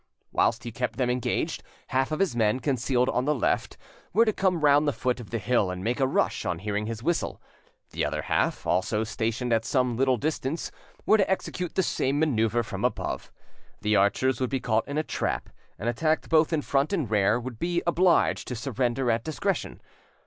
Whilst he kept them engaged, half of his men, concealed on the left, were to come round the foot of the hill and make a rush on hearing his whistle; the other half, also stationed at some, little distance, were to execute the same manoeuvre from above. The archers would be caught in a trap, and attacked both in front and rear, would be obliged to surrender at discretion.